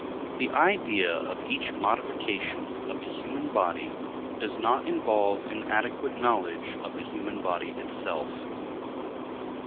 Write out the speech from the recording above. The idea of each modification of the human body does not involve an adequate knowledge of the human body itself.